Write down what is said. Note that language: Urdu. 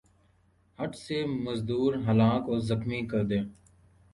ہت سے مزدور ہلاک اور زخمی کر دے